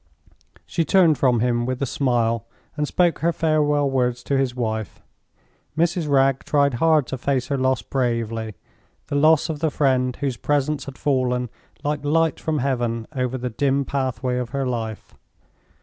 She turned from him with a smile, and spoke her farewell words to his wife. Mrs. Wragge tried hard to face her loss bravely—the loss of the friend whose presence had fallen like light from Heaven over the dim pathway of her life.